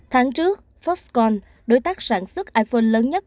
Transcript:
tháng trước foxcon đối tác sản xuất iphone lớn nhất